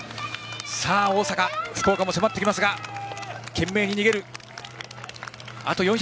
大阪、福岡も迫っているが懸命に逃げる。